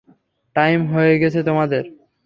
Time হয়ে গেছে তোমাদের।